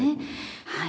はい。